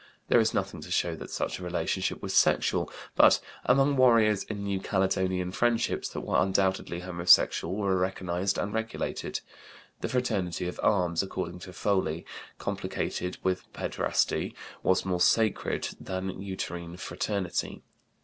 There is nothing to show that such a relationship was sexual, but among warriors in New Caledonia friendships that were undoubtedly homosexual were recognized and regulated; the fraternity of arms, according to Foley, complicated with pederasty, was more sacred than uterine fraternity.